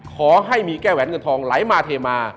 ขอให้มีแก้แหวนเงินทองไหลมาเทมา